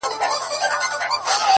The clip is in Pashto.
o افسوس كوتر نه دى چي څوك يې پـټ كړي؛